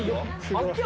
秋山